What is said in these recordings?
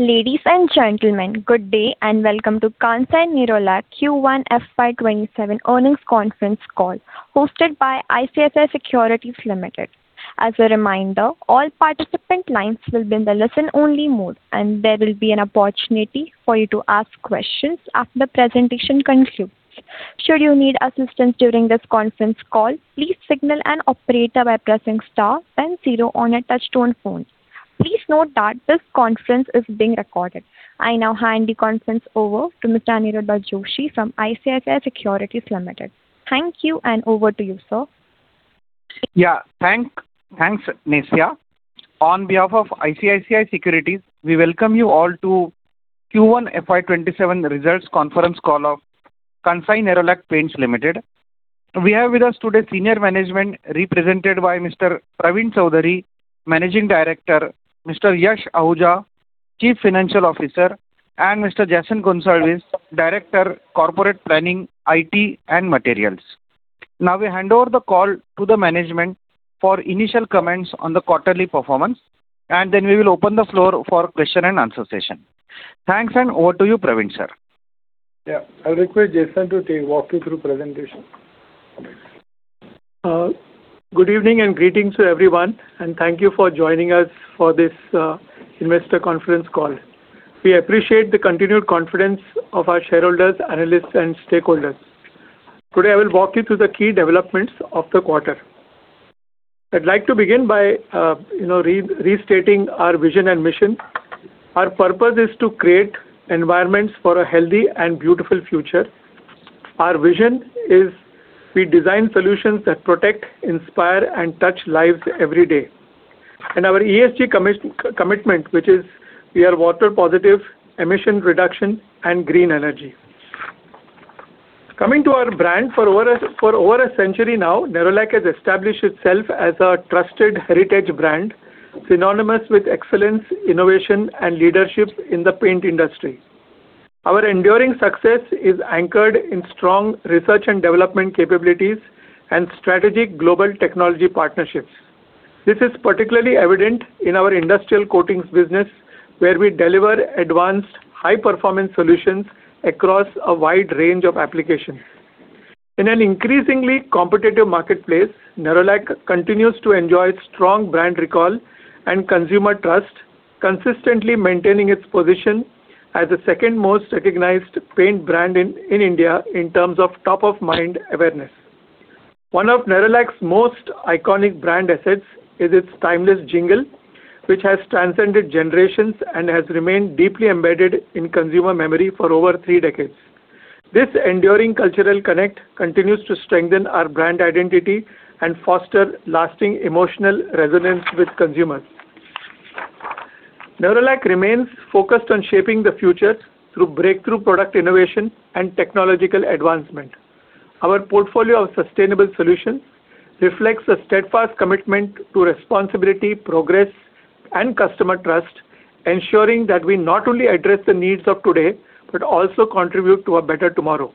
Ladies and gentlemen, good day and welcome to Kansai Nerolac Q1 FY 2027 earnings conference call hosted by ICICI Securities Limited. As a reminder, all participant lines will be in the listen-only mode, and there will be an opportunity for you to ask questions after the presentation concludes. Should you need assistance during this conference call, please signal an operator by pressing star then zero on your touch-tone phone. Please note that this conference is being recorded. I now hand the conference over to Mr. Aniruddha Joshi from ICICI Securities Limited. Thank you, and over to you, sir Thanks, Nasia. On behalf of ICICI Securities, we welcome you all to Q1 FY 2027 results conference call of Kansai Nerolac Paints Limited. We have with us today senior management represented by Mr. Pravin Chaudhari, Managing Director, Mr. Yash Ahuja, Chief Financial Officer, and Mr. Jason Gonsalves, Director, Corporate Planning, IT and Materials. We hand over the call to the management for initial comments on the quarterly performance, and then we will open the floor for question and answer session. Thanks, and over to you, Pravin, sir. I'll request Jason to walk you through presentation. Good evening and greetings to everyone, thank you for joining us for this investor conference call. We appreciate the continued confidence of our shareholders, analysts, and stakeholders. Today, I will walk you through the key developments of the quarter. I'd like to begin by restating our vision and mission. Our purpose is to create environments for a healthy and beautiful future. Our vision is we design solutions that protect, inspire, and touch lives every day. Our ESG commitment, which is we are water positive, emission reduction and green energy. Coming to our brand. For over a century now, Nerolac has established itself as a trusted heritage brand synonymous with excellence, innovation, and leadership in the paint industry. Our enduring success is anchored in strong research and development capabilities and strategic global technology partnerships. This is particularly evident in our industrial coatings business, where we deliver advanced, high-performance solutions across a wide range of applications. In an increasingly competitive marketplace, Nerolac continues to enjoy strong brand recall and consumer trust, consistently maintaining its position as the second most recognized paint brand in India in terms of top-of-mind awareness. One of Nerolac's most iconic brand assets is its timeless jingle, which has transcended generations and has remained deeply embedded in consumer memory for over three decades. This enduring cultural connect continues to strengthen our brand identity and foster lasting emotional resonance with consumers. Nerolac remains focused on shaping the future through breakthrough product innovation and technological advancement. Our portfolio of sustainable solutions reflects a steadfast commitment to responsibility, progress, and customer trust, ensuring that we not only address the needs of today, but also contribute to a better tomorrow.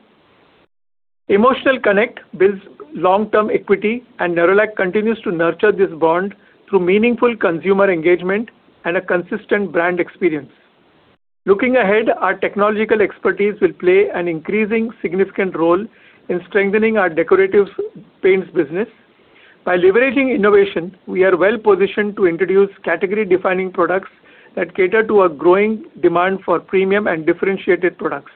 Emotional connect builds long-term equity, and Nerolac continues to nurture this bond through meaningful consumer engagement and a consistent brand experience. Looking ahead, our technological expertise will play an increasing significant role in strengthening our decorative paints business. By leveraging innovation, we are well-positioned to introduce category-defining products that cater to a growing demand for premium and differentiated products.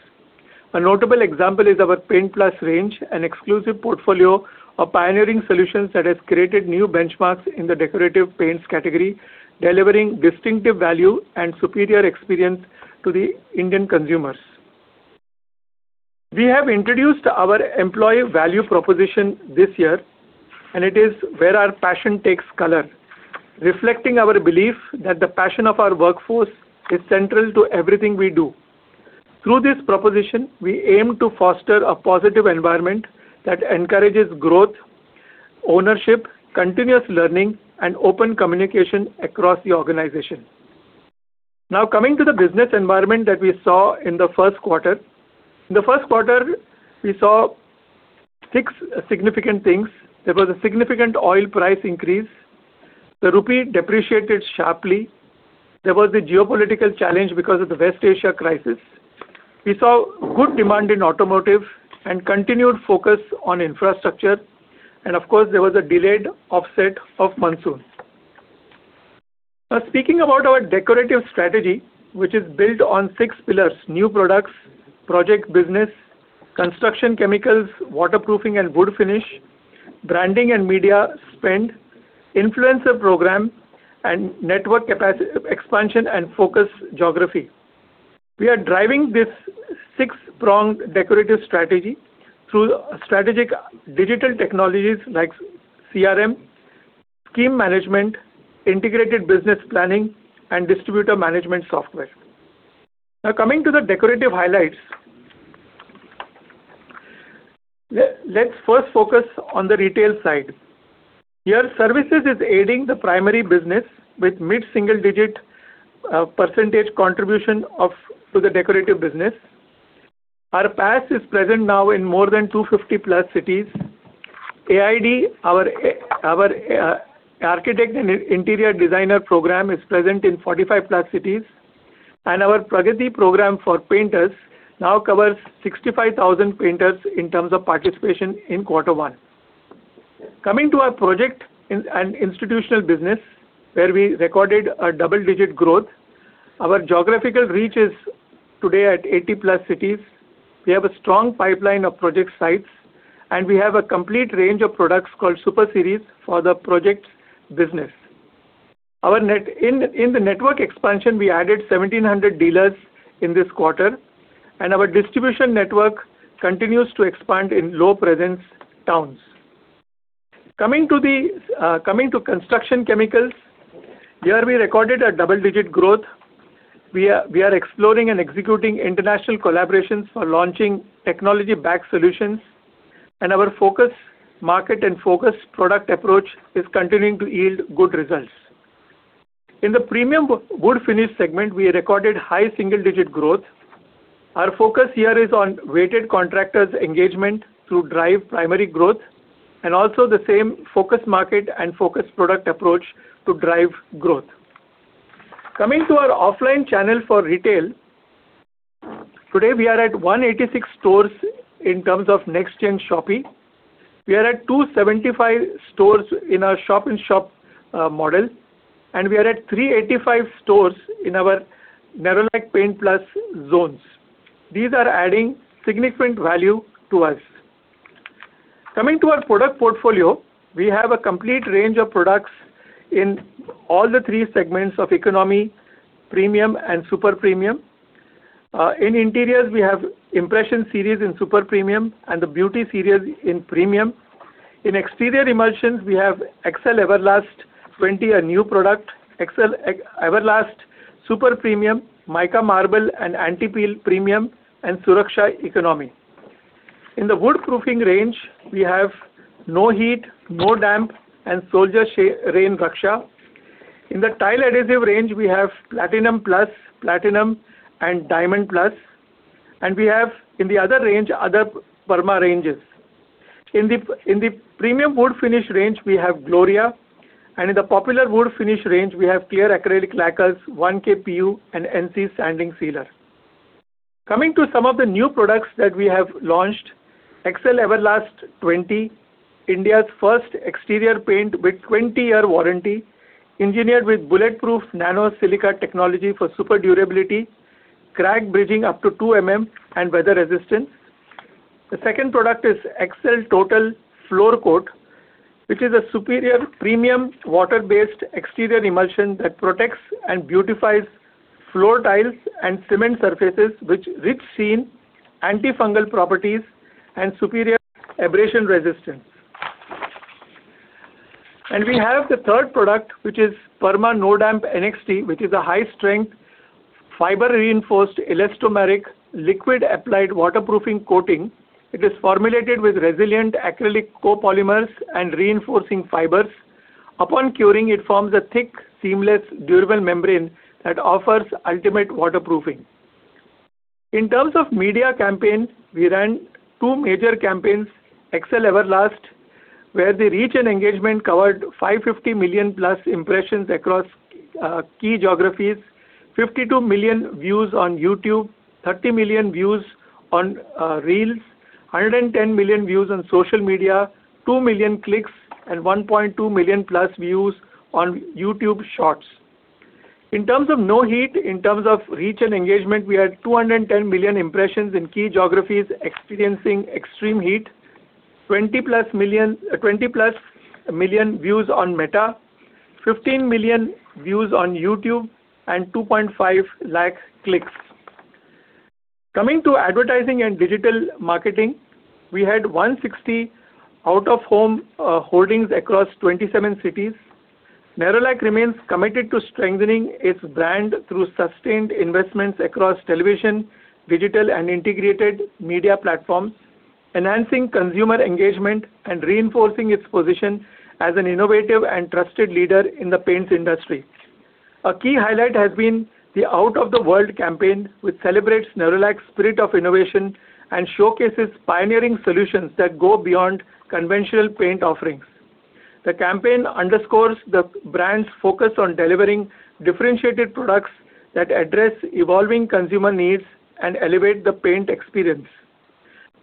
A notable example is our Paint+ range, an exclusive portfolio of pioneering solutions that has created new benchmarks in the decorative paints category, delivering distinctive value and superior experience to the Indian consumers. We have introduced our employee value proposition this year, and it is, "Where our passion takes color," reflecting our belief that the passion of our workforce is central to everything we do. Through this proposition, we aim to foster a positive environment that encourages growth, ownership, continuous learning, and open communication across the organization. Coming to the business environment that we saw in the first quarter. In the first quarter, we saw six significant things. There was a significant oil price increase. The rupee depreciated sharply. There was a geopolitical challenge because of the West Asia crisis. We saw good demand in automotive and continued focus on infrastructure. Of course, there was a delayed offset of monsoon. Speaking about our decorative strategy, which is built on six pillars: new products, project business, construction chemicals, waterproofing and wood finish, branding and media spend, influencer program, and network expansion and focus geography. We are driving this six-pronged decorative strategy through strategic digital technologies like CRM, scheme management, integrated business planning, and distributor management software. Coming to the decorative highlights. Let's first focus on the retail side. Here, services is aiding the primary business with mid-single digit percentage contribution to the decorative business. Our PaS is present now in more than 250+ cities. AID, our Architect and Interior Designer program is present in 45+ cities. Our Pragati program for painters now covers 65,000 painters in terms of participation in quarter one. Coming to our project and institutional business, where we recorded a double-digit growth. Our geographical reach is today at 80+ cities. We have a strong pipeline of project sites, and we have a complete range of products called Super Series for the projects business. In the network expansion, we added 1,700 dealers in this quarter, and our distribution network continues to expand in low presence towns. Coming to construction chemicals, here we recorded a double-digit growth. We are exploring and executing international collaborations for launching technology-backed solutions, and our focus market and focus product approach is continuing to yield good results. In the premium wood finish segment, we recorded high single-digit growth. Our focus here is on weighted contractors' engagement to drive primary growth, also the same focus market and focus product approach to drive growth. Coming to our offline channel for retail, today we are at 186 stores in terms of next-gen Shoppi. We are at 275 stores in our shop-in-shop model, and we are at 385 stores in our Nerolac Paint+ zones. These are adding significant value to us. Coming to our product portfolio, we have a complete range of products in all the three segments of economy, premium, and super premium. In interiors, we have Impressions series in super premium and the Beauty series in premium. In exterior emulsions, we have Excel Everlast 20, a new product, Excel Everlast super premium, Mica Marble and Anti-Peel premium, and Suraksha economy. In the woodproofing range, we have No Heat, No Damp, and Soldier Rain Raksha. In the tile adhesive range, we have Platinum Plus, Platinum and Diamond Plus. We have, in the other range, other Perma ranges. In the premium wood finish range, we have Gloria, and in the popular wood finish range, we have Clear Acrylic Lacquers 1K PU and NC Sanding Sealer. Coming to some of the new products that we have launched, Excel Everlast 20, India's first exterior paint with 20-year warranty, engineered with bulletproof nano silica technology for super durability, crack bridging up to 2 mm and weather resistance. The second product is Excel Total Floor Coat, which is a superior premium water-based exterior emulsion that protects and beautifies floor tiles and cement surfaces with rich sheen, antifungal properties, and superior abrasion resistance. We have the third product, which is Perma No Damp NXT, which is a high-strength, fiber-reinforced elastomeric liquid-applied waterproofing coating. It is formulated with resilient acrylic copolymers and reinforcing fibers. Upon curing, it forms a thick, seamless, durable membrane that offers ultimate waterproofing. In terms of media campaign, we ran two major campaigns, Excel Everlast, where the reach and engagement covered 550 million plus impressions across key geographies, 52 million views on YouTube, 30 million views on Reels, 110 million views on social media, 2 million clicks and 1.2 million plus views on YouTube Shorts. In terms of No Heat, in terms of reach and engagement, we had 210 million impressions in key geographies experiencing extreme heat. 20 million plus views on Meta, 15 million views on YouTube, and 2.5 lakh clicks. Coming to advertising and digital marketing, we had 160 out-of-home holdings across 27 cities. Nerolac remains committed to strengthening its brand through sustained investments across television, digital, and integrated media platforms, enhancing consumer engagement, and reinforcing its position as an innovative and trusted leader in the paints industry. A key highlight has been the Out of the World campaign, which celebrates Nerolac's spirit of innovation and showcases pioneering solutions that go beyond conventional paint offerings. The campaign underscores the brand's focus on delivering differentiated products that address evolving consumer needs and elevate the paint experience.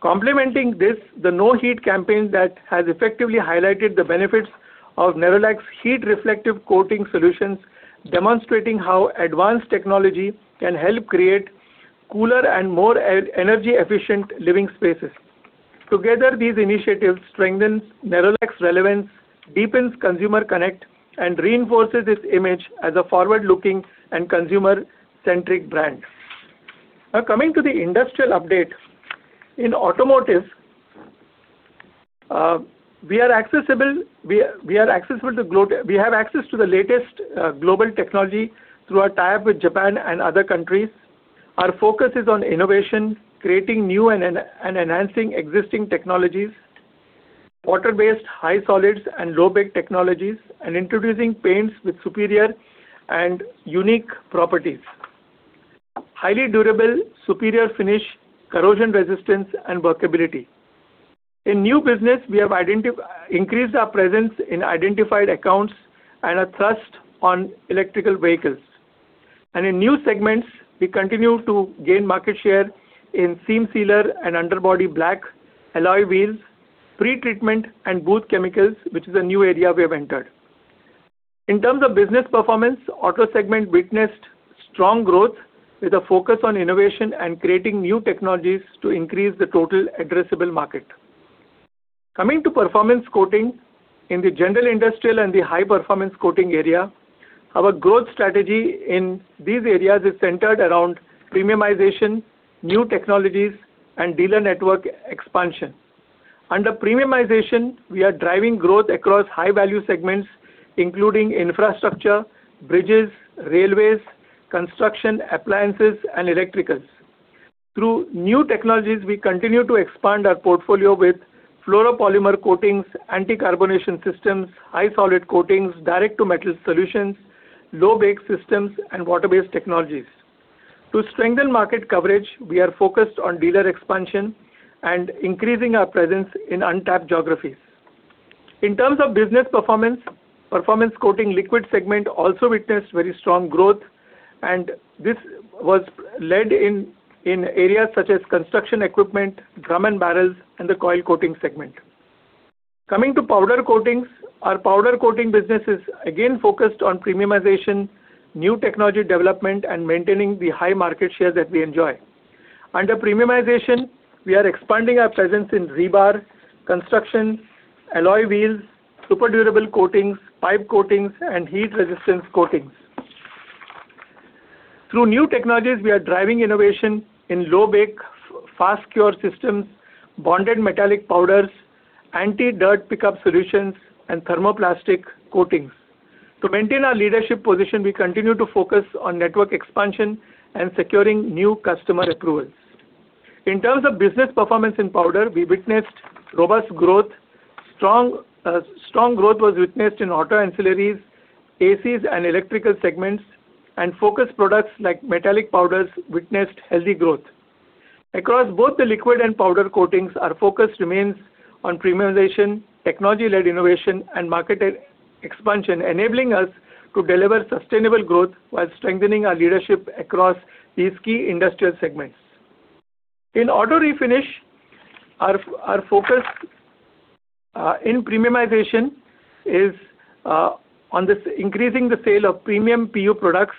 Complementing this, the No Heat campaign that has effectively highlighted the benefits of Nerolac's heat-reflective coating solutions, demonstrating how advanced technology can help create cooler and more energy-efficient living spaces. Together, these initiatives strengthen Nerolac's relevance, deepens consumer connect, and reinforces its image as a forward-looking and consumer-centric brand. Coming to the industrial update. In automotive, we have access to the latest global technology through our tie-up with Japan and other countries. Our focus is on innovation, creating new and enhancing existing technologies. Water-based high solids and low bake technologies, and introducing paints with superior and unique properties. Highly durable, superior finish, corrosion resistance, and workability. In new business, we have increased our presence in identified accounts and our trust on electrical vehicles. In new segments, we continue to gain market share in seam sealer and underbody black, alloy wheels, pretreatment, and booth chemicals, which is a new area we have entered. In terms of business performance, auto segment witnessed strong growth with a focus on innovation and creating new technologies to increase the total addressable market. Coming to performance coating, in the general industrial and the high-performance coating area, our growth strategy in these areas is centered around premiumization, new technologies, and dealer network expansion. Under premiumization, we are driving growth across high-value segments, including infrastructure, bridges, railways, construction, appliances, and electricals. Through new technologies, we continue to expand our portfolio with fluoropolymer coatings, anti-carbonation systems, high solid coatings, direct to metal solutions, low bake systems, and water-based technologies. To strengthen market coverage, we are focused on dealer expansion and increasing our presence in untapped geographies. In terms of business performance coating liquid segment also witnessed very strong growth. This was led in areas such as construction equipment, drum and barrels, and the coil coating segment. Coming to powder coatings, our powder coating business is again focused on premiumization, new technology development, and maintaining the high market share that we enjoy. Under premiumization, we are expanding our presence in rebar, construction, alloy wheels, super durable coatings, pipe coatings, and heat resistance coatings. Through new technologies, we are driving innovation in low bake, fast cure systems, bonded metallic powders, anti-dirt pickup solutions, and thermoplastic coatings. To maintain our leadership position, we continue to focus on network expansion and securing new customer approvals. In terms of business performance in powder, we witnessed robust growth. Strong growth was witnessed in auto ancillaries, ACs, and electrical segments. Focused products like metallic powders witnessed healthy growth. Across both the liquid and powder coatings, our focus remains on premiumization, technology-led innovation, and market expansion, enabling us to deliver sustainable growth while strengthening our leadership across these key industrial segments. In auto refinish, our focus in premiumization is on increasing the sale of premium PU products.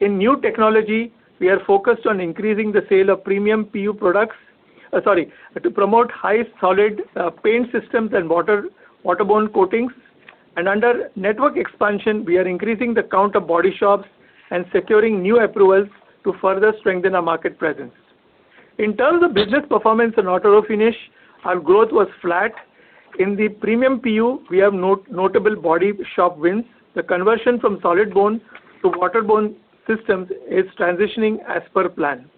In new technology, we are focused on increasing the sale of premium PU products. Sorry. To promote high solid paint systems and waterborne coatings. Under network expansion, we are increasing the count of body shops and securing new approvals to further strengthen our market presence. In terms of business performance in auto refinish, our growth was flat. In the premium PU, we have notable body shop wins. The conversion from solid-borne to water-borne systems is transitioning as per plan.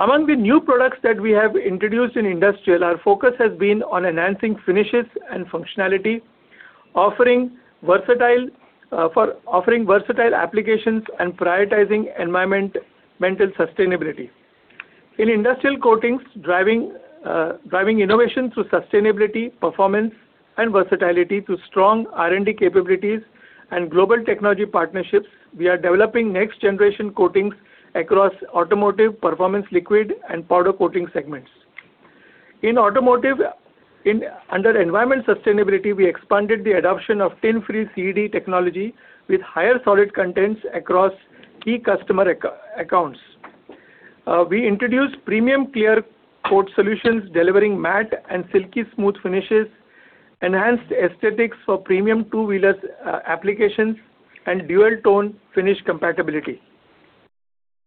Among the new products that we have introduced in industrial, our focus has been on enhancing finishes and functionality, offering versatile applications, and prioritizing environmental sustainability. In industrial coatings, driving innovation through sustainability, performance, and versatility through strong R&D capabilities and global technology partnerships. We are developing next-generation coatings across automotive performance liquid and powder coating segments. In automotive, under environment sustainability, we expanded the adoption of tin-free CED technology with higher solid contents across key customer accounts. We introduced premium clear coat solutions delivering matte and silky smooth finishes, enhanced aesthetics for premium two-wheeler applications, and dual-tone finish compatibility.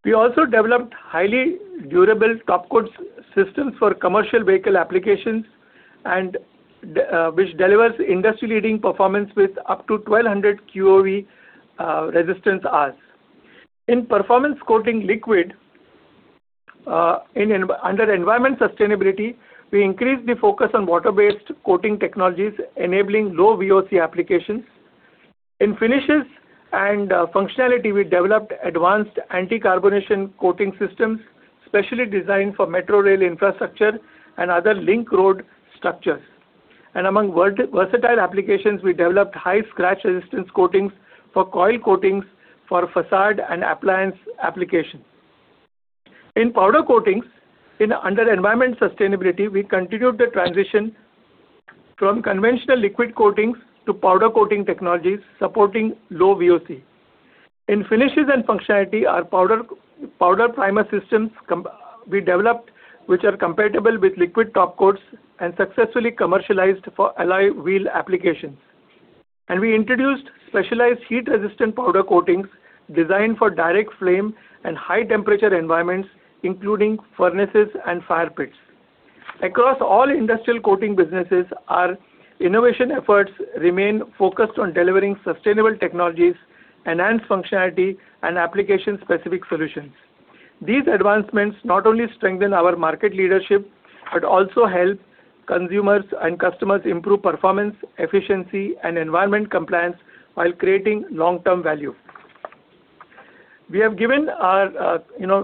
We also developed highly durable topcoat systems for commercial vehicle applications, which delivers industry-leading performance with up to 1,200 QUV resistance hours. In performance coating liquid, under environment sustainability, we increased the focus on water-based coating technologies enabling low VOC applications. In finishes and functionality, we developed advanced anti-carbonation coating systems, specially designed for metro rail infrastructure and other link road structures. Among versatile applications, we developed high scratch resistance coatings for coil coatings for façade and appliance applications. In powder coatings, under environment sustainability, we continued the transition from conventional liquid coatings to powder coating technologies supporting low VOC. In finishes and functionality, our powder primer systems we developed, which are compatible with liquid topcoats and successfully commercialized for alloy wheel applications. We introduced specialized heat-resistant powder coatings designed for direct flame and high-temperature environments, including furnaces and fire pits. Across all industrial coating businesses, our innovation efforts remain focused on delivering sustainable technologies, enhanced functionality, and application-specific solutions. These advancements not only strengthen our market leadership, but also help consumers and customers improve performance, efficiency, and environment compliance while creating long-term value. We have given our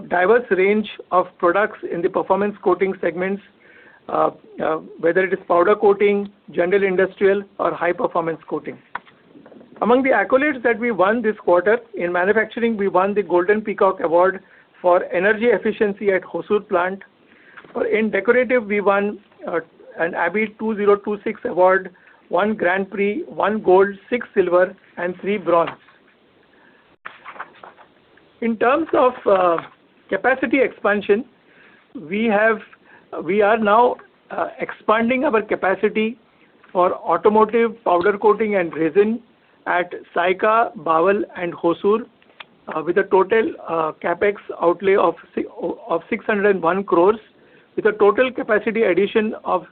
diverse range of products in the performance coating segments, whether it is powder coating, general industrial or high performance coating. Among the accolades that we won this quarter, in manufacturing, we won the Golden Peacock Award for energy efficiency at Hosur plant. In decorative, we won an ABBY 2026 Awards, one Grand Prix, one gold, six silver, and three bronze. In terms of capacity expansion, we are now expanding our capacity for automotive powder coating and resin at Sayakha, Bawal and Hosur with a total CapEx outlay of 601 crores, with a total capacity addition of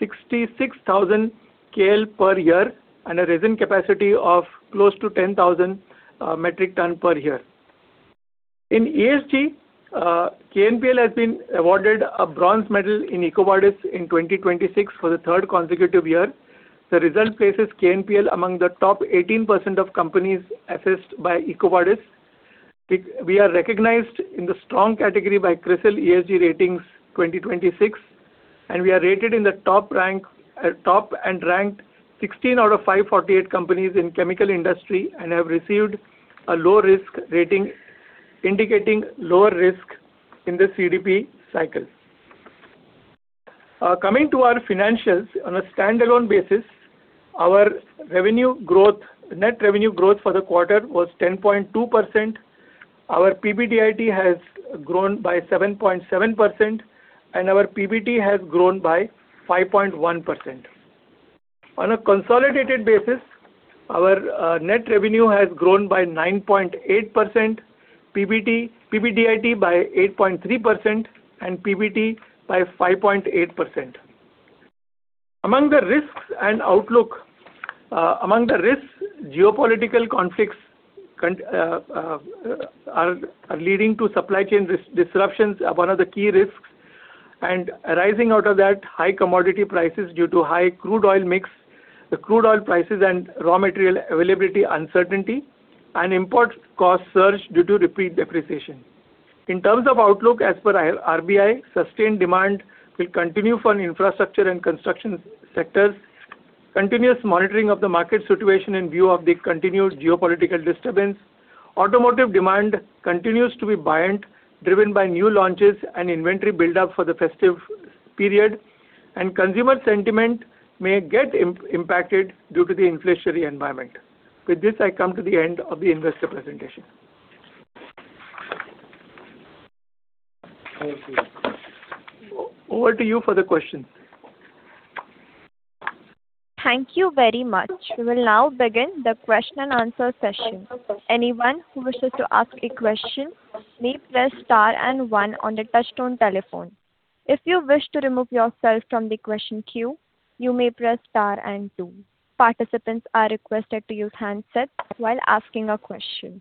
66,000 KL per year and a resin capacity of close to 10,000 metric ton per year. In ESG, KNPL has been awarded a bronze medal in EcoVadis in 2026 for the third consecutive year. The result places KNPL among the top 18% of companies assessed by EcoVadis. We are recognized in the strong category by CRISIL ESG ratings 2026, we are rated in the top and ranked 16 out of 548 companies in chemical industry and have received a low risk rating, indicating lower risk in the CDP cycle. Coming to our financials. On a standalone basis, our net revenue growth for the quarter was 10.2%. Our PBDIT has grown by 7.7%, our PBT has grown by 5.1%. On a consolidated basis, our net revenue has grown by 9.8%, PBDIT by 8.3%, PBT by 5.8%. Among the risks and outlook. Among the risks, geopolitical conflicts are leading to supply chain disruptions are one of the key risks, arising out of that, high commodity prices due to high crude oil mix, the crude oil prices and raw material availability uncertainty, import cost surge due to repeat depreciation. In terms of outlook as per RBI, sustained demand will continue for infrastructure and construction sectors. Continuous monitoring of the market situation in view of the continued geopolitical disturbance. Automotive demand continues to be buoyant, driven by new launches and inventory buildup for the festive period, consumer sentiment may get impacted due to the inflationary environment. With this, I come to the end of the investor presentation. Thank you. Over to you for the questions. Thank you very much. We will now begin the question and answer session. Anyone who wishes to ask a question may press star and one on the touchtone telephone. If you wish to remove yourself from the question queue, you may press star and two. Participants are requested to use handsets while asking a question.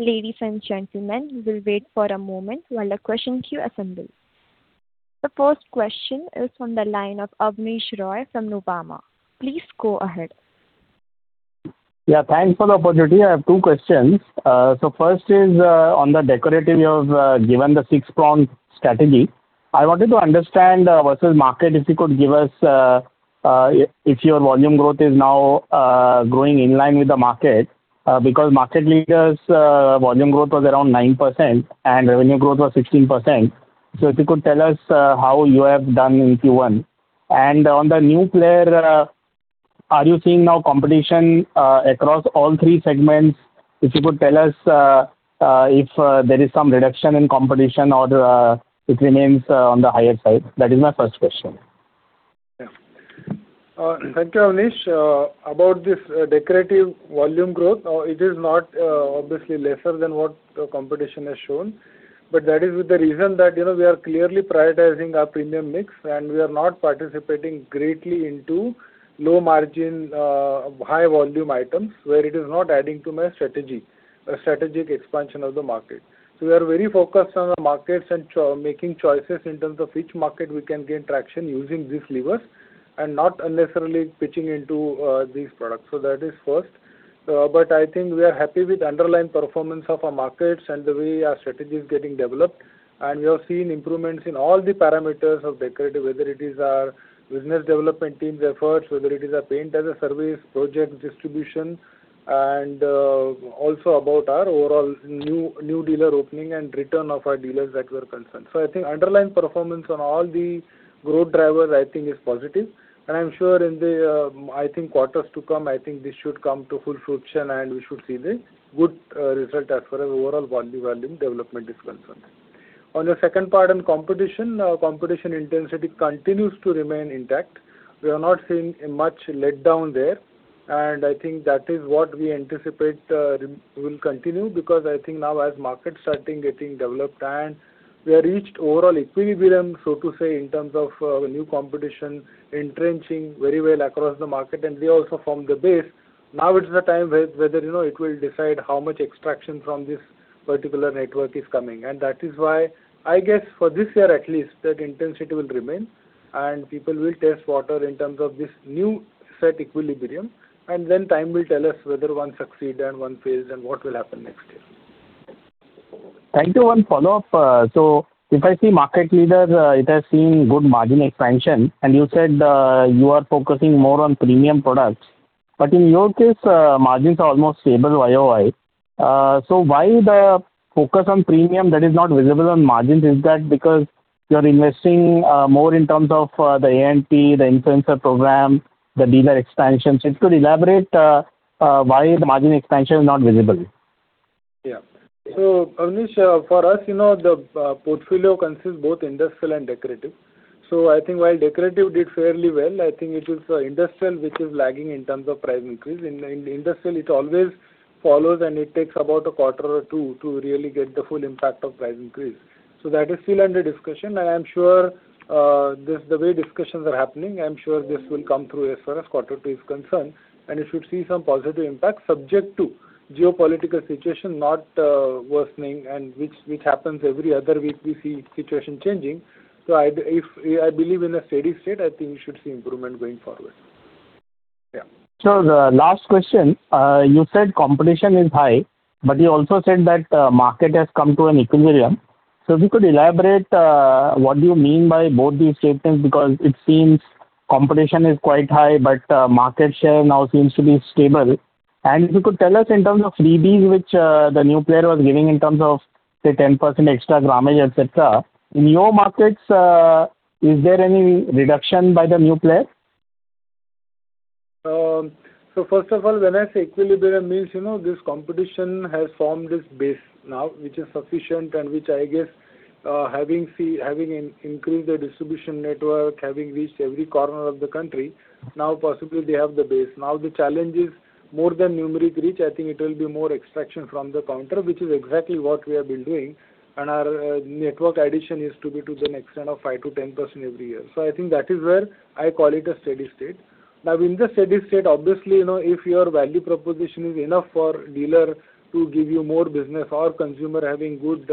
Ladies and gentlemen, we will wait for a moment while the question queue assembles. The first question is from the line of Abneesh Roy from Nuvama. Please go ahead. Yeah, thanks for the opportunity. I have two questions. First, on the decorative, you have given the six-prong strategy. I wanted to understand versus market, if your volume growth is now growing in line with the market, because market leaders volume growth was around 9% and revenue growth was 16%. If you could tell us how you have done in Q1. On the new player, are you seeing now competition across all three segments? If you could tell us if there is some reduction in competition or it remains on the higher side. That is my first question. Thank you, Abneesh. About this decorative volume growth, it is not obviously lesser than what competition has shown, but that is with the reason that we are clearly prioritizing our premium mix and we are not participating greatly into low margin, high volume items where it is not adding to my strategic expansion of the market. We are very focused on the markets and making choices in terms of which market we can gain traction using these levers and not unnecessarily pitching into these products. That is first. I think we are happy with underlying performance of our markets and the way our strategy is getting developed. We are seeing improvements in all the parameters of decorative, whether it is our business development teams' efforts, whether it is our Paint as a Service project distribution, and also about our overall new dealer opening and return of our dealers that were concerned. I think underlying performance on all the growth drivers, I think is positive. I'm sure in the quarters to come, I think this should come to full fruition and we should see the good result as far as overall volume development is concerned. On your second part on competition. Competition intensity continues to remain intact. We are not seeing a much letdown there. I think that is what we anticipate will continue because I think now as market starting getting developed and we have reached overall equilibrium, so to say, in terms of new competition, entrenching very well across the market, and we also formed the base. Now it's the time whether it will decide how much extraction from this particular network is coming. That is why, I guess, for this year at least, that intensity will remain and people will test water in terms of this new set equilibrium, and then time will tell us whether one succeeds and one fails, and what will happen next year. Thank you. One follow-up. If I see market leaders, it has seen good margin expansion, and you said you are focusing more on premium products. In your case, margins are almost stable YOY. Why the focus on premium that is not visible on margins? Is that because you're investing more in terms of the A&P, the influencer program, the dealer expansion? If you could elaborate why the margin expansion is not visible. Abneesh, for us, the portfolio consists both industrial and decorative. I think while decorative did fairly well, I think it is industrial which is lagging in terms of price increase. In industrial, it always follows, and it takes about a quarter or two to really get the full impact of price increase. That is still under discussion, and the way discussions are happening, I'm sure this will come through as far as quarter two is concerned, and it should see some positive impact subject to geopolitical situation not worsening, and which happens every other week we see situation changing. I believe in a steady state, I think we should see improvement going forward. The last question. You said competition is high, you also said that market has come to an equilibrium. If you could elaborate what do you mean by both these statements, because it seems competition is quite high, market share now seems to be stable. If you could tell us in terms of freebies which the new player was giving in terms of, say, 10% extra grammage, et cetera. In your markets, is there any reduction by the new player? First of all, when I say equilibrium, means this competition has formed its base now, which is sufficient and which I guess having increased their distribution network, having reached every corner of the country, possibly they have the base. The challenge is more than numeric reach. I think it will be more extraction from the counter, which is exactly what we have been doing, and our network addition is to be to the extent of 5%-10% every year. I think that is where I call it a steady state. In the steady state, obviously, if your value proposition is enough for dealer to give you more business or consumer having good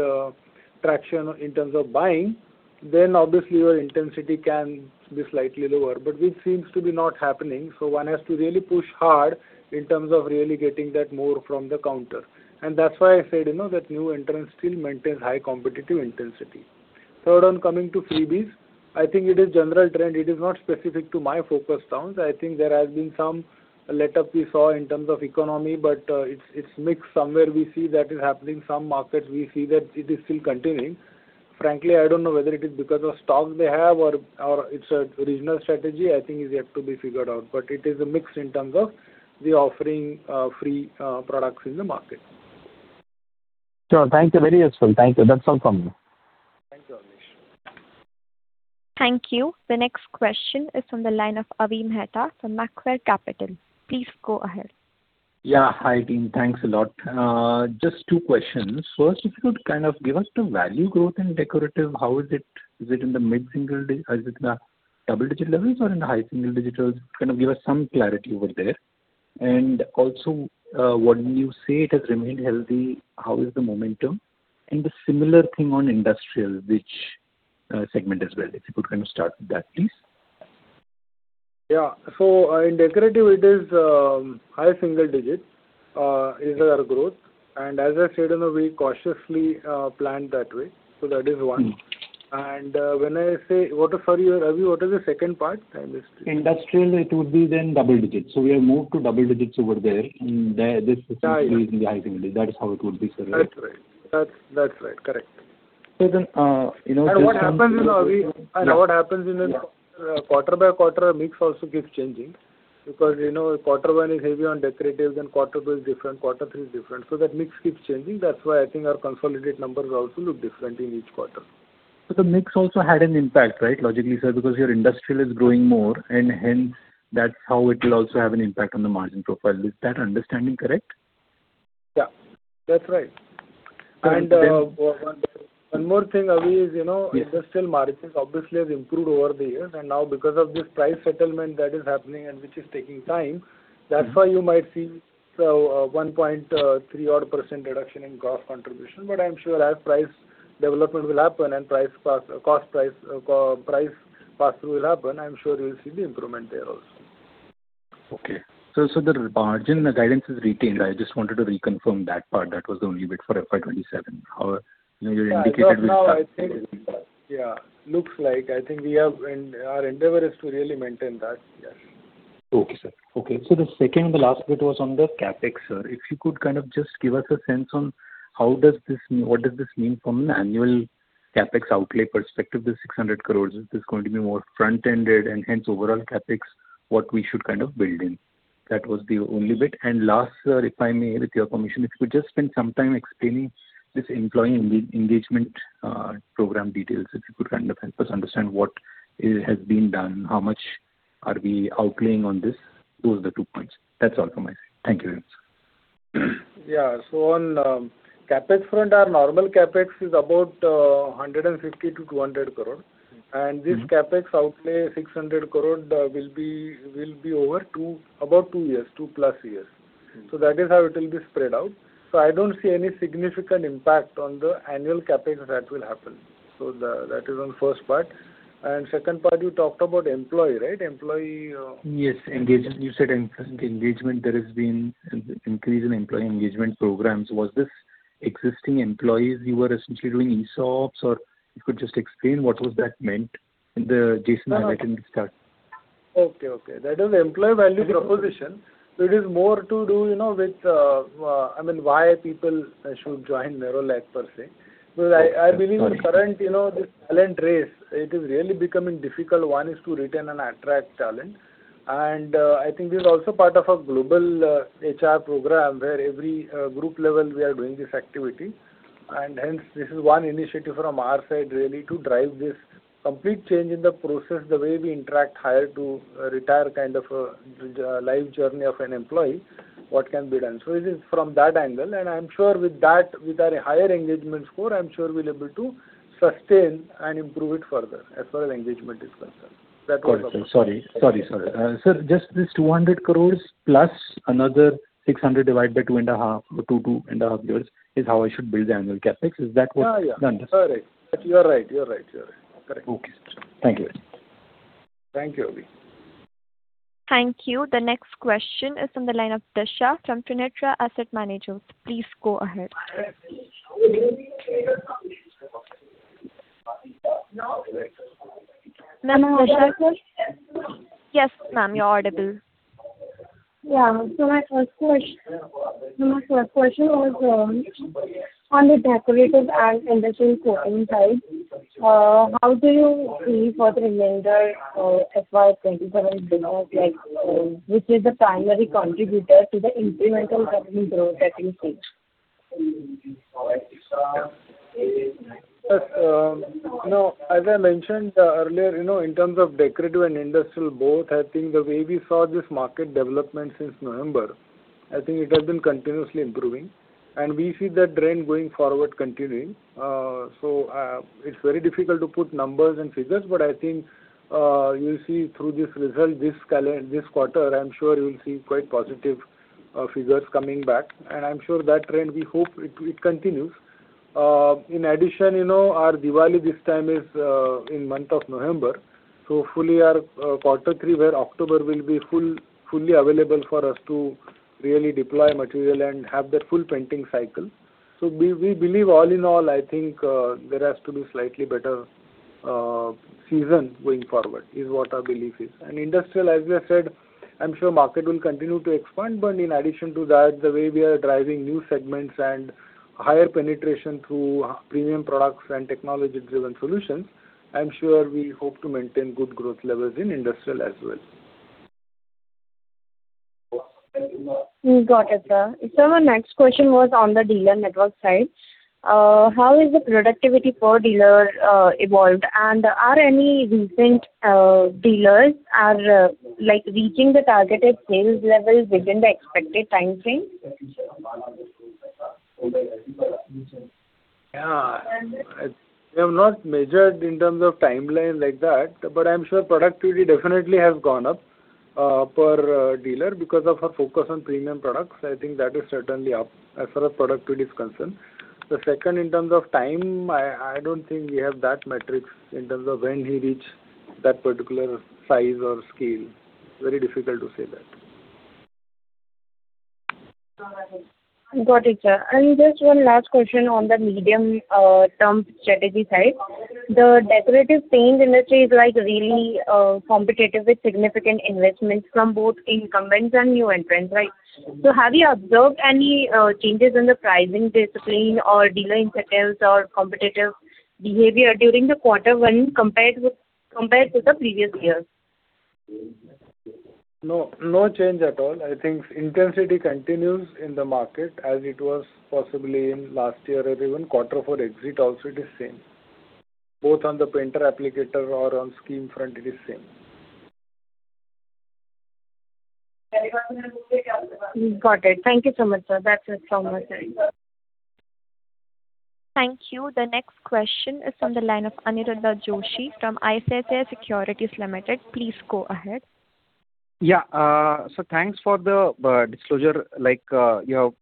traction in terms of buying, then obviously your intensity can be slightly lower. Which seems to be not happening, one has to really push hard in terms of really getting that more from the counter. That's why I said that new entrants still maintain high competitive intensity. Third, on coming to freebies, I think it is general trend. It is not specific to my focus towns. I think there has been some letup we saw in terms of economy, but it's mixed. Somewhere we see that is happening, some markets we see that it is still continuing. Frankly, I don't know whether it is because of stocks they have or it's a regional strategy. I think it's yet to be figured out, but it is mixed in terms of the offering free products in the market. Sure. Thank you, very useful. Thank you. That's all from me. Thank you, Abneesh. Thank you. The next question is from the line of Avi Mehta from Macquarie Capital. Please go ahead. Yeah. Hi, team. Thanks a lot. Just two questions. First, if you could kind of give us the value growth in decorative, how is it? Is it in the double-digit levels or in the high single digits? Kind of give us some clarity over there. Also, when you say it has remained healthy, how is the momentum? The similar thing on industrial, which segment as well, if you could kind of start with that, please. Yeah. In decorative, it is high single digits, is our growth. As I said, we cautiously planned that way. That is one. When I say Sorry, Avi, what is the second part? I missed it. Industrial, it would be then double digits. We have moved to double digits over there. Yeah. High single digit. That is how it would be, sir, right? That's right. Correct. So then. What happens is, Avi. Yeah. What happens in a quarter by quarter, mix also keeps changing. Quarter one is heavy on decorative, then quarter two is different, quarter three is different. That mix keeps changing. That's why I think our consolidated numbers also look different in each quarter. The mix also had an impact, right? Logically, sir, because your industrial is growing more and hence that's how it will also have an impact on the margin profile. Is that understanding correct? Yeah. That's right. Then. One more thing, Avi. Yes. Industrial margins obviously has improved over the years, and now because of this price settlement that is happening and which is taking time, that's why you might see 1.3 odd percent reduction in gross contribution. I'm sure as price development will happen and price pass-through will happen, I'm sure you'll see the improvement there also. The margin guidance is retained. I just wanted to reconfirm that part. That was the only bit for FY 2027, how you indicated. Yeah. Looks like. I think our endeavor is to really maintain that. Yes. Okay, sir. Okay. The second, the last bit was on the CapEx, sir. If you could kind of just give us a sense on what does this mean from an annual CapEx outlay perspective, this 600 crore. Is this going to be more front-ended and hence overall CapEx, what we should kind of build in? That was the only bit. Last, sir, if I may, with your permission, if you could just spend some time explaining this employee engagement program details. If you could kind of help us understand what has been done, how much are we outlaying on this? Those are the two points. That's all from my side. Thank you very much. Yeah. On CapEx front, our normal CapEx is about 150 crore-200 crore. This CapEx outlay 600 crore will be over about twp plus years. That is how it will be spread out. I don't see any significant impact on the annual CapEx that will happen. That is on the first part. Second part, you talked about employee, right? Yes, engagement. You said increase in employee engagement programs. Was this existing employees you were essentially doing ESOPs? You could just explain what was that meant in the Jason start. Okay. That is employee value proposition. It is more to do with why people should join Nerolac per se. I believe in current, this talent race, it is really becoming difficult, one is to retain and attract talent. I think this is also part of a global HR program where every group level we are doing this activity. Hence, this is one initiative from our side really to drive this complete change in the process, the way we interact hire to retire kind of a life journey of an employee, what can be done. It is from that angle, I'm sure with that, with our higher engagement score, I'm sure we'll be able to sustain and improve it further as far as engagement is concerned. Got it, sir. Sorry. Sir, just this 200 crore plus another 600 crore divided by two and a half years is how I should build the annual CapEx. Is that what? Yeah. Understood. Correct. You're right. Correct. Okay, sir. Thank you. Thank you, Avi. Thank you. The next question is on the line of Tasha from Trinetra Asset Managers. Please go ahead. Ma'am, Tasha? Yes, ma'am, you're audible. My first question was on the decorative and industrial coating side. How do you see for the remainder of FY 2027 below? Which is the primary contributor to the incremental revenue growth I can see? As I mentioned earlier, in terms of decorative and industrial both, I think the way we saw this market development since November, I think it has been continuously improving, and we see that trend going forward continuing. It's very difficult to put numbers and figures, but I think you'll see through this result this quarter, I'm sure you will see quite positive figures coming back. I'm sure that trend, we hope it continues. In addition, our Diwali this time is in the month of November. Fully our quarter three, where October will be fully available for us to really deploy material and have that full painting cycle. We believe all in all, I think there has to be slightly better season going forward is what our belief is. Industrial, as we have said, I'm sure market will continue to expand, but in addition to that, the way we are driving new segments and higher penetration through premium products and technology-driven solutions, I'm sure we hope to maintain good growth levels in industrial as well. Got it, sir. Sir, my next question was on the dealer network side. How is the productivity per dealer evolved, and are any recent dealers reaching the targeted sales levels within the expected time frame? Yeah. We have not measured in terms of timeline like that, but I'm sure productivity definitely has gone up per dealer because of our focus on premium products. I think that is certainly up as far as productivity is concerned. The second, in terms of time, I don't think we have that metric in terms of when he reach that particular size or scale. Very difficult to say that. Got it, sir. Just one last question on the medium-term strategy side. The decorative paints industry is really competitive with significant investments from both incumbents and new entrants, right? Have you observed any changes in the pricing discipline or dealer incentives or competitive behavior during the quarter one compared to the previous years? No change at all. I think intensity continues in the market as it was possibly in last year or even quarter four exit also it is same. Both on the painter applicator or on scheme front it is same. Got it. Thank you so much, sir. That's it from my side. Thank you. The next question is from the line of Aniruddha Joshi from ICICI Securities Limited. Please go ahead. Yeah. Thanks for the disclosure. You have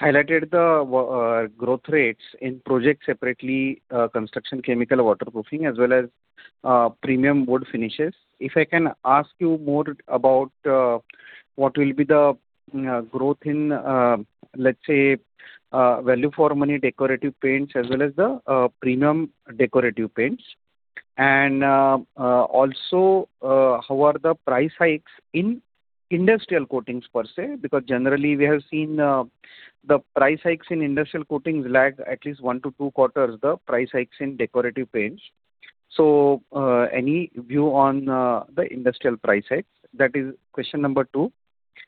highlighted the growth rates in projects separately, construction, chemical, waterproofing, as well as premium wood finishes. If I can ask you more about what will be the growth in, let's say, value for money decorative paints as well as the premium decorative paints. And also, how are the price hikes in industrial coatings per se? Because generally we have seen the price hikes in industrial coatings lag at least one to two quarters the price hikes in decorative paints. Any view on the industrial price hikes? That is question number two.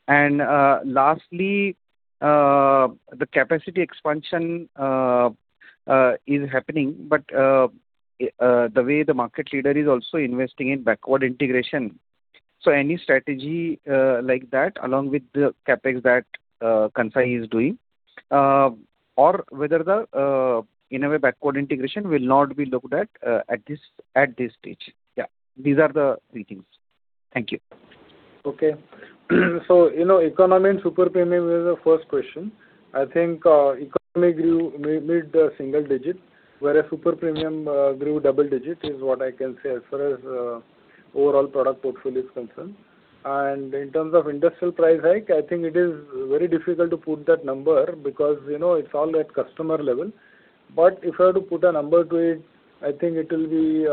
And lastly, the capacity expansion is happening, but the way the market leader is also investing in backward integration. Any strategy like that along with the CapEx that Kansai is doing, or whether the any backward integration will not be looked at this stage? Yeah. These are the three things. Thank you. Okay. Economy and super premium were the first question. I think economy grew mid-single digit, whereas super premium grew double digit, is what I can say as far as overall product portfolio is concerned. In terms of industrial price hike, I think it is very difficult to put that number because it's all at customer level. If I were to put a number to it, I think it will be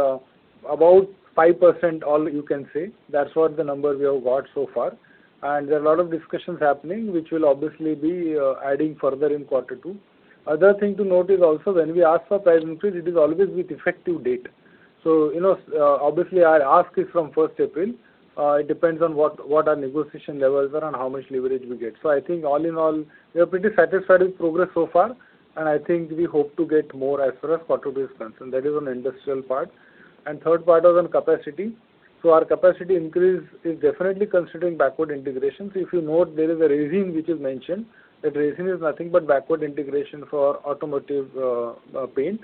about 5% all you can say. That's what the number we have got so far. And there are a lot of discussions happening, which will obviously be adding further in quarter two. Other thing to note is also when we ask for price increase, it is always with effective date. Obviously our ask is from 1st April. It depends on what our negotiation levels are and how much leverage we get. I think all in all, we are pretty satisfied with progress so far, and I think we hope to get more as far as quarter base concerned. That is on industrial part. Third part was on capacity. Our capacity increase is definitely considering backward integrations. If you note, there is a resin which is mentioned. That resin is nothing but backward integration for automotive paint.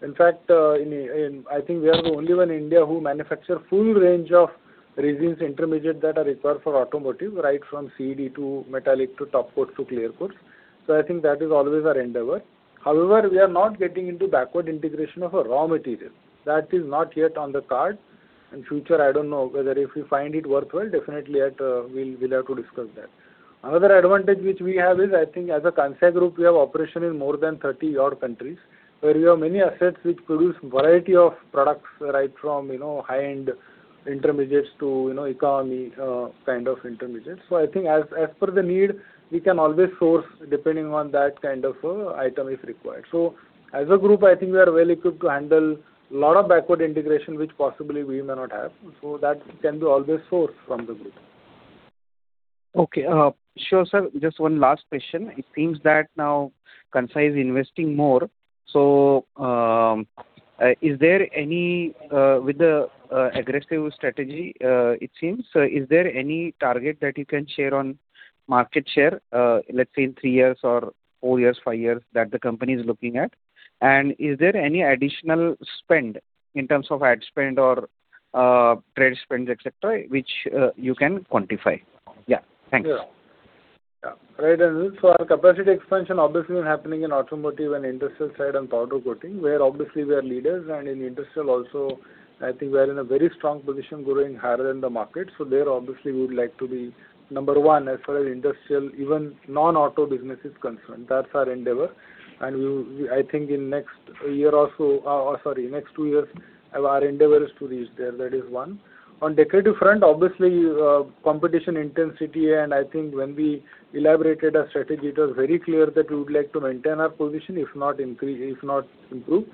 In fact, I think we are the only one in India who manufacture full range of resins intermediate that are required for automotive, right from CD to metallic to top coat to clear coats. I think that is always our endeavor. However, we are not getting into backward integration of a raw material. That is not yet on the card. In future, I don't know. Whether if we find it worthwhile, definitely we'll have to discuss that. Another advantage which we have is, I think as a Kansai Group, we have operation in more than 30 odd countries, where we have many assets which produce variety of products, right from high-end intermediates to economy kind of intermediates. I think as per the need, we can always source depending on that kind of item is required. As a group, I think we are well equipped to handle a lot of backward integration, which possibly we may not have. That can be always sourced from the group. Okay. Sure, sir. Just one last question. It seems that now Kansai is investing more. With the aggressive strategy, it seems, is there any target that you can share on market share, let's say in three years or four years, five years, that the company is looking at? And is there any additional spend in terms of ad spend or trade spends, et cetera, which you can quantify? Yeah, thanks. Right, Aniruddha. Our capacity expansion obviously was happening in automotive and industrial side and powder coating, where obviously we are leaders. In industrial also, I think we are in a very strong position growing higher than the market. There obviously we would like to be number one as far as industrial, even non-auto business is concerned. That's our endeavor. I think in next two years, our endeavor is to reach there. That is one. On decorative front, obviously competition intensity, and I think when we elaborated our strategy, it was very clear that we would like to maintain our position, if not improve.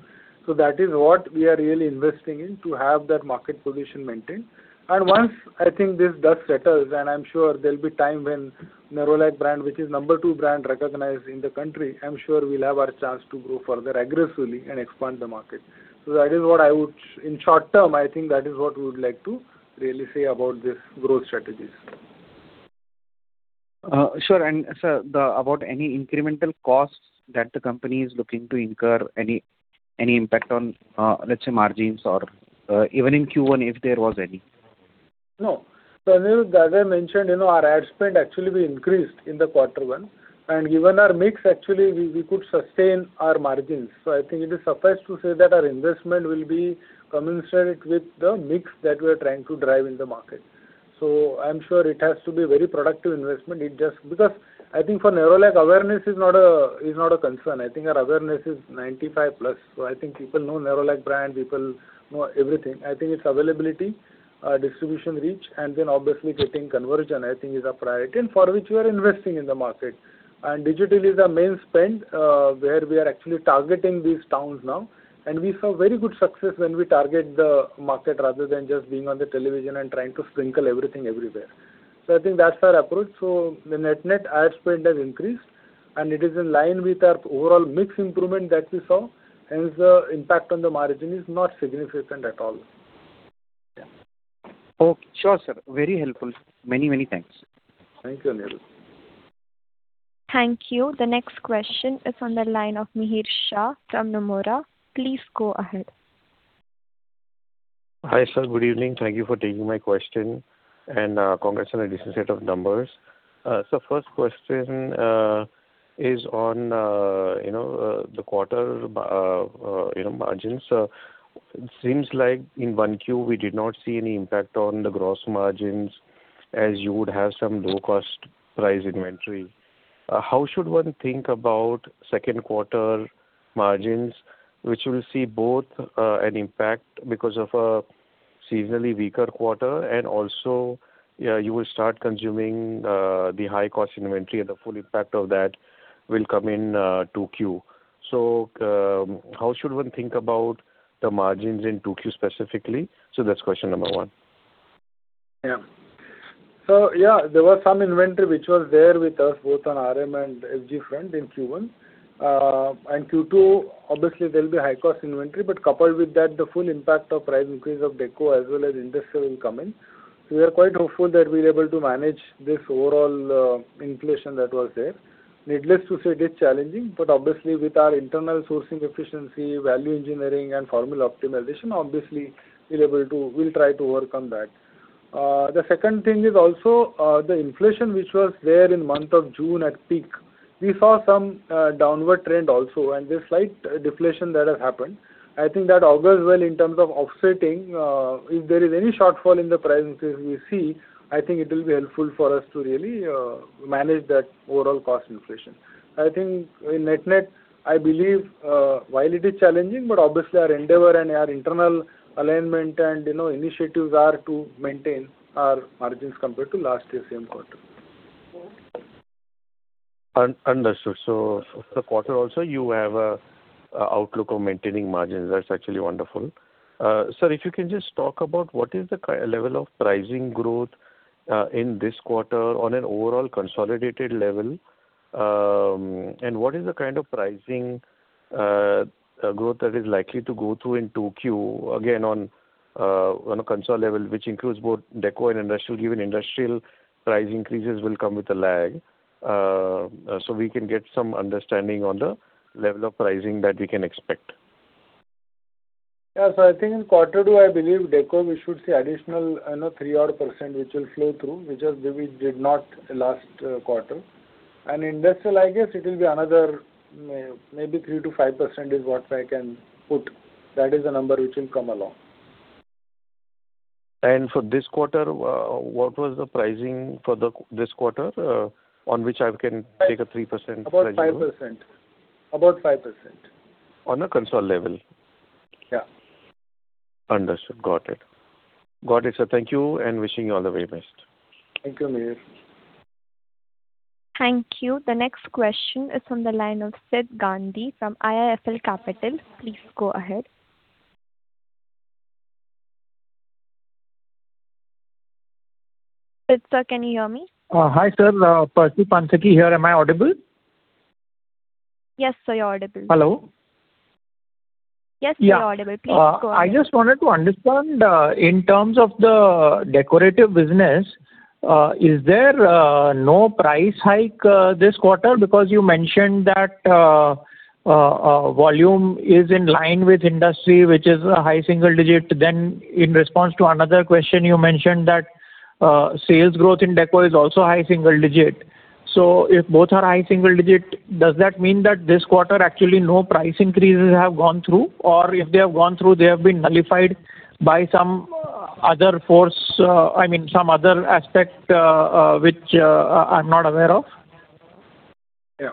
That is what we are really investing in, to have that market position maintained. Once, I think this dust settles, and I'm sure there'll be time when Nerolac brand, which is number two brand recognized in the country, I'm sure we'll have our chance to grow further aggressively and expand the market. In short term, I think that is what we would like to really say about this growth strategies. Sure. Sir, about any incremental costs that the company is looking to incur, any impact on, let's say, margins or even in Q1, if there was any? Aniruddha, as I mentioned, our ad spend actually we increased in the quarter one. Given our mix, actually, we could sustain our margins. I think it is suffice to say that our investment will be commensurate with the mix that we're trying to drive in the market. I'm sure it has to be very productive investment, because I think for Nerolac, awareness is not a concern. I think our awareness is 95+. I think people know Nerolac brand, people know everything. I think it's availability, distribution reach, and then obviously getting conversion, I think is our priority, and for which we are investing in the market. Digital is our main spend, where we are actually targeting these towns now. We saw very good success when we target the market rather than just being on the television and trying to sprinkle everything everywhere. I think that's our approach. The net ad spend has increased, and it is in line with our overall mix improvement that we saw. Hence, the impact on the margin is not significant at all. Yeah. Okay. Sure, sir. Very helpful. Many, many thanks. Thank you, Aniruddha. Thank you. The next question is on the line of Mihir Shah from Nomura. Please go ahead. Hi, sir. Good evening. Thank you for taking my question, and congrats on a decent set of numbers. First question is on the quarter margins. Seems like in one Q, we did not see any impact on the gross margins, as you would have some low-cost price inventory. How should one think about second quarter margins, which will see both an impact because of a seasonally weaker quarter, and also you will start consuming the high-cost inventory, and the full impact of that will come in two Q. How should one think about the margins in two Q specifically? That's question number one. There was some inventory which was there with us both on RM and FG front in Q1. Q2, obviously there'll be high-cost inventory. Coupled with that, the full impact of price increase of deco as well as industrial will come in. We are quite hopeful that we're able to manage this overall inflation that was there. Needless to say, it is challenging, but obviously with our internal sourcing efficiency, value engineering, and formula optimization, obviously, we'll try to overcome that. The second thing is also, the inflation which was there in the month of June at peak. We saw some downward trend also, and there's slight deflation that has happened. I think that augurs well in terms of offsetting. If there is any shortfall in the price increase we see, I think it will be helpful for us to really manage that overall cost inflation. I think net-net, I believe, while it is challenging, but obviously our endeavor and our internal alignment and initiatives are to maintain our margins compared to last year's same quarter. Understood. For quarter also, you have an outlook of maintaining margins. That's actually wonderful. Sir, if you can just talk about what is the level of pricing growth in this quarter on an overall consolidated level, and what is the kind of pricing growth that is likely to go through in 2Q, again, on a console level, which includes both deco and industrial, given industrial price increases will come with a lag, so we can get some understanding on the level of pricing that we can expect. I think in quarter two, I believe deco we should see additional 3% which will flow through, which did not last quarter. Industrial, I guess it will be another maybe 3%-5% is what I can put. That is the number which will come along. For this quarter, what was the pricing for this quarter, on which I can take a 3%? About 5%. On a consolidated level? Yeah. Understood. Got it. Got it, sir. Thank you and wishing you all the very best. Thank you, Mihir. Thank you. The next question is from the line of Sid Gandhi from IIFL Capital. Please go ahead. Sid, sir, can you hear me? Hi, sir. Percy Panthaki here. Am I audible? Yes, sir, you're audible. Hello. Yes, sir, you're audible. Please go ahead. I just wanted to understand, in terms of the decorative business, is there no price hike this quarter? You mentioned that volume is in line with industry, which is a high single digit. In response to another question, you mentioned that sales growth in deco is also high single digit. If both are high single digit, does that mean that this quarter actually no price increases have gone through? Or if they have gone through, they have been nullified by some other force, I mean, some other aspect, which I'm not aware of? Yeah.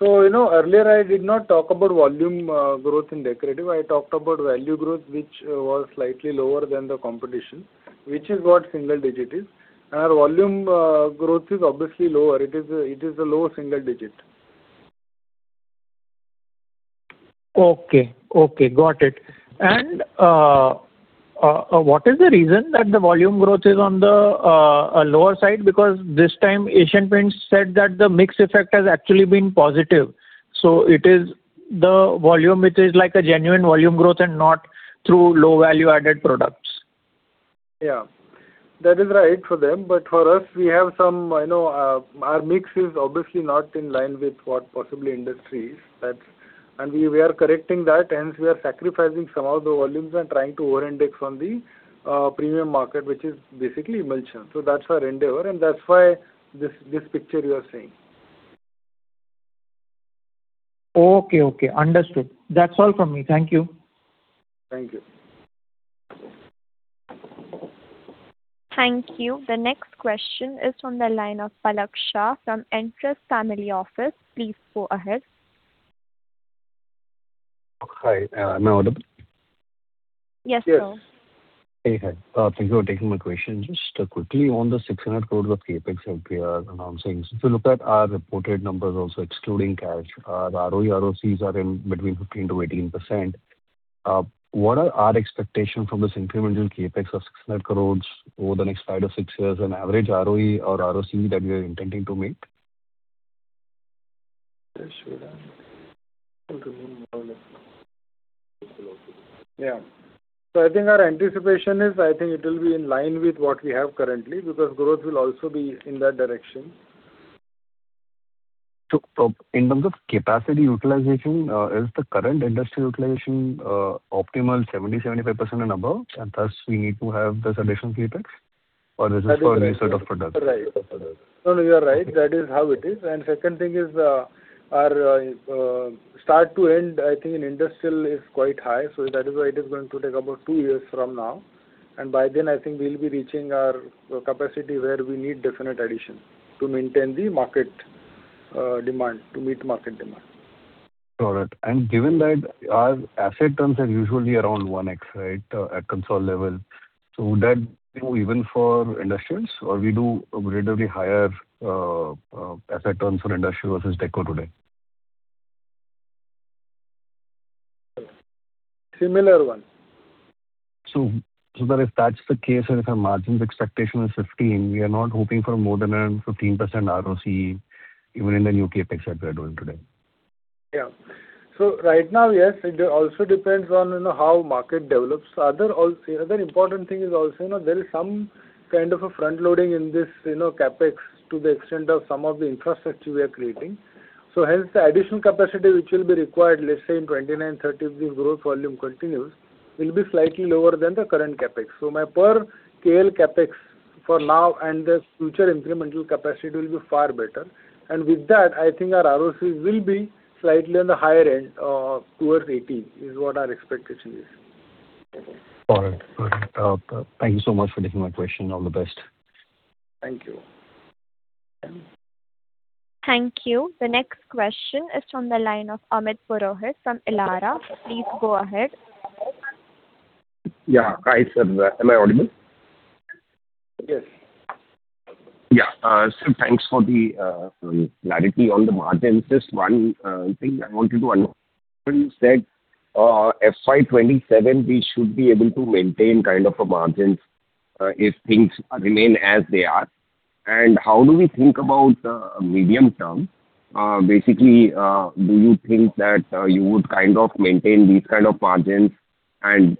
Earlier I did not talk about volume growth in decorative. I talked about value growth, which was slightly lower than the competition, which is what single digit is. Our volume growth is obviously lower. It is a low single digit. Okay. Got it. What is the reason that the volume growth is on the lower side? Because this time Asian Paints said that the mix effect has actually been positive. It is the volume which is like a genuine volume growth and not through low value-added products. Yeah. That is right for them. For us, our mix is obviously not in line with what possibly industry is. We are correcting that, hence we are sacrificing some of the volumes and trying to over-index on the premium market, which is basically emulsion. That's our endeavor, and that's why this picture you are seeing. Okay. Understood. That's all from me. Thank you. Thank you. Thank you. The next question is from the line of Palak Shah from Entrust Family Office. Please go ahead. Hi, am I audible? Yes, sir. Yes. Hey. Thank you for taking my question. Just quickly on the 600 crores of CapEx that we are announcing. If you look at our reported numbers also excluding cash, our ROE, ROCs are in between 15%-18%. What are our expectation from this incremental CapEx of 600 crores over the next five, six years, an average ROE or ROC that we are intending to make? Yeah. I think our anticipation is, it will be in line with what we have currently, because growth will also be in that direction. In terms of capacity utilization, is the current industry utilization optimal 70%, 75% and above, and thus we need to have this additional CapEx? Or this is for Right. No, you are right. That is how it is. Second thing is, our start to end, I think in industrial is quite high. That is why it is going to take about two years from now. By then, I think we'll be reaching our capacity where we need definite addition to maintain the market demand, to meet market demand. Got it. Given that our asset turns are usually around 1x, right, at Kansai level. Would that go even for industrials or we do relatively higher asset turns for industrial versus deco today? Similar one. If that's the case, and if our margins expectation is 15%, we are not hoping for more than a 15% ROC even in the new CapEx that we are doing today. Right now, yes, it also depends on how market develops. The other important thing is also, there is some kind of a front-loading in this CapEx to the extent of some of the infrastructure we are creating. Hence, the additional capacity which will be required, let's say in 2029, 2030, if the growth volume continues, will be slightly lower than the current CapEx. My per KL CapEx for now and the future incremental capacity will be far better. With that, I think our ROCs will be slightly on the higher end of towards 18, is what our expectation is. All right. Thank you so much for taking my question. All the best. Thank you. Thank you. The next question is from the line of Amit Purohit from Elara. Please go ahead. Yeah. Hi, sir. Am I audible? Yes. Yeah. Sir, thanks for the clarity on the margins. Just one thing I wanted to understand. You said FY 2027 we should be able to maintain kind of margins if things remain as they are. How do we think about the medium term? Basically, do you think that you would maintain these kind of margins and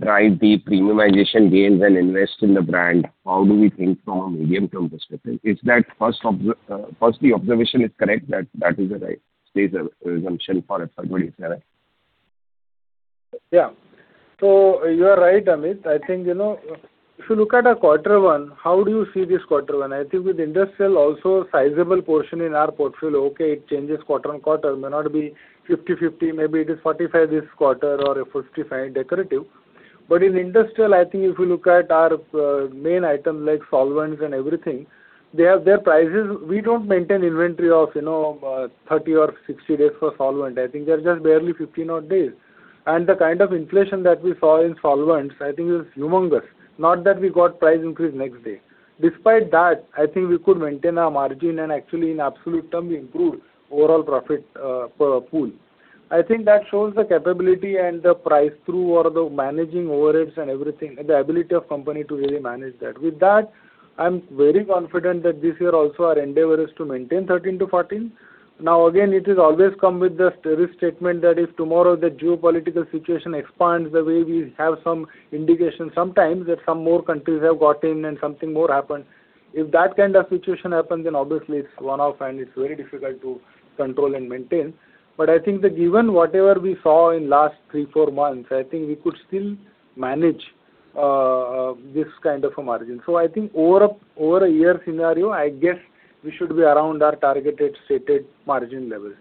drive the premiumization gains and invest in the brand? How do we think from a medium-term perspective? If that first observation is correct, that is the right assumption for FY 2027? You are right, Amit. I think, if you look at our quarter one, how do you see this quarter one? I think with industrial also, sizable portion in our portfolio. Okay, it changes quarter on quarter. May not be 50/50. Maybe it is 45 this quarter or a 55 decorative. But in industrial, I think if you look at our main item like solvents and everything, their prices, we don't maintain inventory of 30 or 60 days for solvent. I think they're just barely 15 odd days. The kind of inflation that we saw in solvents, I think is humongous. Not that we got price increase next day. Despite that, I think we could maintain our margin and actually in absolute term, we improved overall profit pool. I think that shows the capability and the price through or the managing overheads and everything, the ability of company to really manage that. With that, I'm very confident that this year also our endeavor is to maintain 13%-14%. Again, it is always come with the stereo statement that if tomorrow the geopolitical situation expands the way we have some indication sometimes that some more countries have got in and something more happen. If that kind of situation happens, then obviously it's one-off and it's very difficult to control and maintain. I think that given whatever we saw in last three, four months, I think we could still manage this kind of a margin. I think over a year scenario, I guess we should be around our targeted, stated margin level.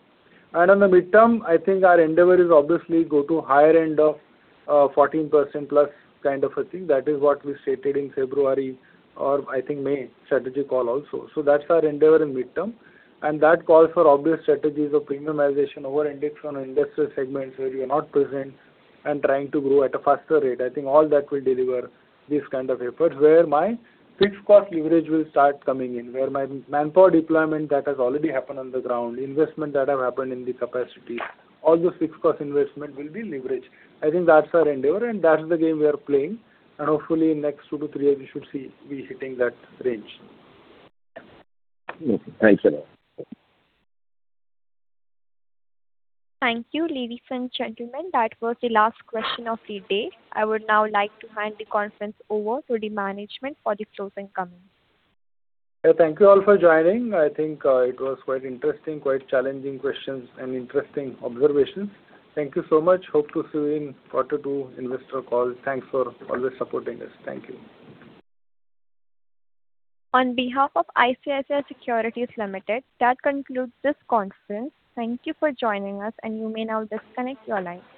On the midterm, I think our endeavor is obviously go to higher end of 14%+ kind of a thing. That is what we stated in February or I think May strategy call also. That's our endeavor in midterm, and that calls for obvious strategies of premiumization over index on industrial segments where we are not present and trying to grow at a faster rate. I think all that will deliver this kind of effort, where my fixed cost leverage will start coming in. Where my manpower deployment that has already happened on the ground, investment that have happened in the capacity, all those fixed cost investment will be leveraged. I think that's our endeavor and that's the game we are playing. Hopefully in next two to three years, we should see we hitting that range. Okay. Thanks a lot. Thank you, ladies and gentlemen. That was the last question of the day. I would now like to hand the conference over to the management for the closing comments. Thank you all for joining. I think it was quite interesting, quite challenging questions and interesting observations. Thank you so much. Hope to see you in quarter two investor call. Thanks for always supporting us. Thank you. On behalf of ICICI Securities Limited, that concludes this conference. Thank you for joining us, and you may now disconnect your line.